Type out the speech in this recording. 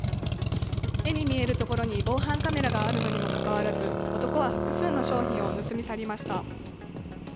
目に見える所に防犯カメラがあるのにもかかわらず、男は複数の商品を盗み去りました。